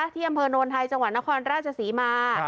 ที่อำเภอโนนไทยจังหวัดนครราชศรีมา